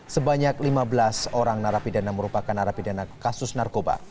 sebanyak lima belas orang narapidana merupakan narapidana kasus narkoba